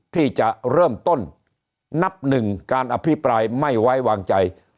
ที่จะเริ่มต้นนับหนึ่งการอภิปรายไม่ไว้วางใจ